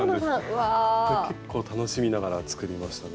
結構楽しみながら作りましたね。